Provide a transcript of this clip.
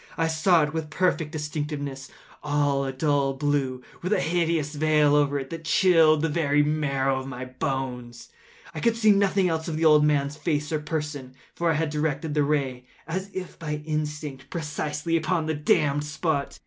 I saw it with perfect distinctness—all a dull blue, with a hideous veil over it that chilled the very marrow in my bones; but I could see nothing else of the old man’s face or person: for I had directed the ray as if by instinct, precisely upon the damned spot.